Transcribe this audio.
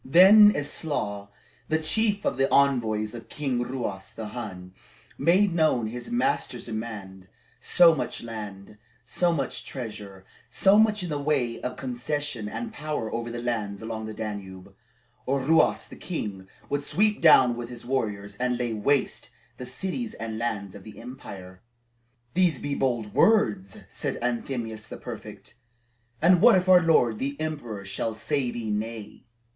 Then Eslaw, the chief of the envoys of King Ruas the Hun, made known his master's demands So much land, so much treasure, so much in the way of concession and power over the lands along the Danube, or Ruas the king would sweep down with his warriors, and lay waste the cities and lands of the empire. "These be bold words," said Anthemius the prefect. "And what if our lord the emperor shall say thee nay?"